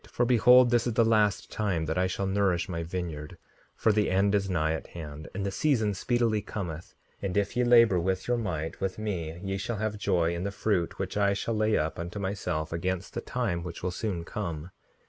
For behold, this is the last time that I shall nourish my vineyard; for the end is nigh at hand, and the season speedily cometh; and if ye labor with your might with me ye shall have joy in the fruit which I shall lay up unto myself against the time which will soon come.